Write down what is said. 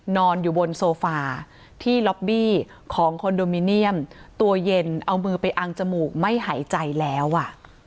นอนอยู่บนโซฟาที่ล็อบบี้ของคอนโดมิเนียมตัวเย็นเอามือไปอังจมูกไม่หายใจแล้วอ่ะ